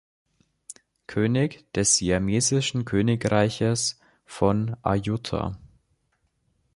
König des siamesischen Königreiches von Ayutthaya.